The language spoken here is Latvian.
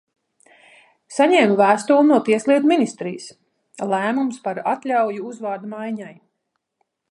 Saņēmu vēstuli no Tieslietu ministrijas – lēmums par atļauju uzvārda maiņai.